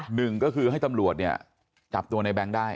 หนึ่งก็คือให้ตำรวจเนี่ยจับตัวในแบงค์ได้